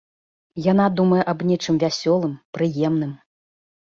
Яна думае аб нечым вясёлым, прыемным.